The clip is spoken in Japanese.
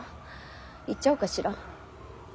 言っちゃおうかしら。